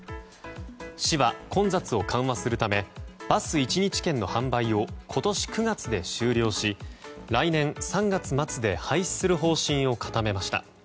市は、混雑を緩和するためバス１日券の販売を今年９月で終了し来年３月末で廃止する方針を固めました。